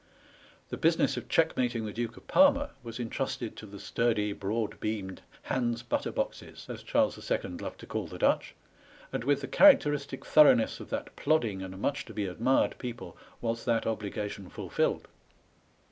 The business of checkmating the Duke of Parma was entrusted to the stm*dy broad beamed Hans Butter boxes, as Charles U. loved to call the Dutch, and with the characteristic thoroughness of that plodding and much to be admired people was that obligation ful filled.